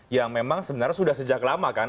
yang memang sebenarnya sudah sejak lama kan